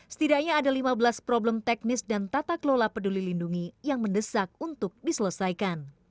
setidaknya ada lima belas problem teknis dan tata kelola peduli lindungi yang mendesak untuk diselesaikan